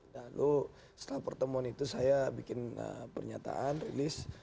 lalu setelah pertemuan itu saya bikin pernyataan rilis